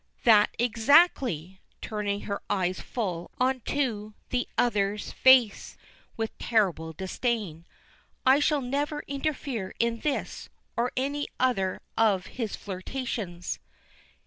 "That, exactly!" turning her eyes full on to the other's face with a terrible disdain. "I shall never interfere in this or any other of his flirtations."